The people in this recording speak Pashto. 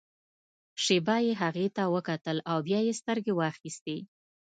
شېبه يې هغې ته وکتل او بيا يې سترګې واخيستې.